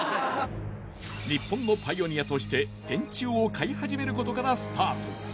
日本のパイオニアとして線虫を飼い始めることからスタート。